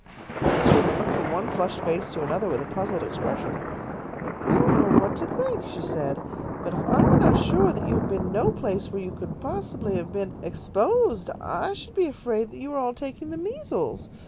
Mrs. Sherman looked from one flushed face to another with a puzzled expression. "I don't know what to think," she said, "but if I were not sure that you have been no place where you possibly could have been exposed, I should be afraid that you are all taking the measles.